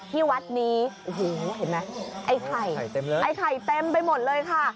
ที่วัดนี้เห็นไหมไอ้ไข่เต็มไปหมดเลยค่ะ